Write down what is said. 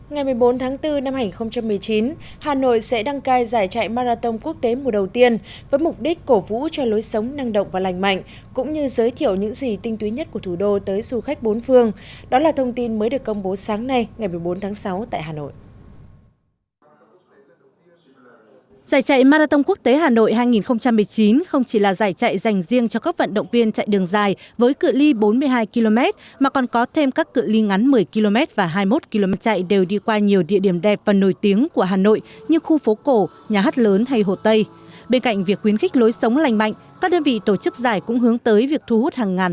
ngày một mươi bốn tháng bốn năm hai nghìn một mươi chín hà nội sẽ đăng cai giải chạy marathon quốc tế mùa đầu tiên với mục đích cổ vũ cho lối sống năng động và lành mạnh cũng như giới thiệu những gì tinh tuyến nhất của thủ đô tới du khách bốn phương